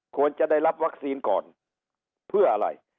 ควรจะได้รับวัคซีนก่อนเพื่ออะไร